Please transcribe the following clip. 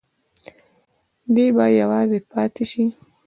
دی به یوازې پاتې شي.